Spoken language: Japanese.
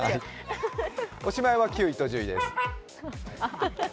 おしまいは９位と１０位です。